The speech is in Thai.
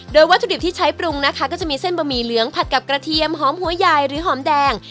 โดยวัตถุดิบที่ใช้ปรุงนะคะก็จะมีเส้นบะหมี่เหลืองผัดกับกระเทียมหอมหัวใหญ่หรือหอมแดง